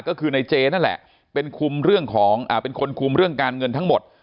ก็คือในเจนะแหละเป็นคนคุมเรื่องการเงินทั้งหมด